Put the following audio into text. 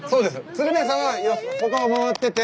鶴瓶さんは他を回ってて。